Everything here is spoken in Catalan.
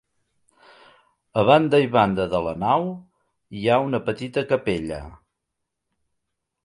A banda i banda de la nau hi ha una petita capella.